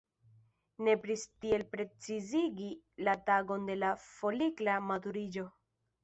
Nepris tiel precizigi la tagon de la folikla maturiĝo.